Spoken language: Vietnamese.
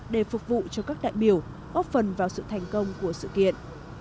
để phục vụ cho các đại biểu góp phần vào sự thành công của sự kiện